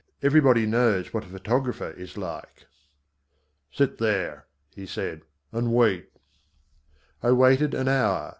Everybody knows what a photographer is like. "Sit there," he said, "and wait." I waited an hour.